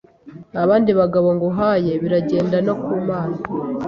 nta bandi bagabo nguhaye Biragenda no ku Mana